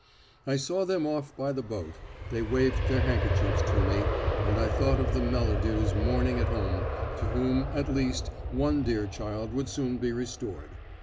I saw them off by the boat; they waved their handkerchiefs to me, and I thought of the Melladews mourning at home, to whom, at least, one dear child would soon be restored.